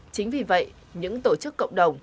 chính vì vậy những tổ chức cộng đồng